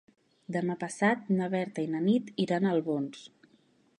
Demà passat na Berta i na Nit iran a Albons.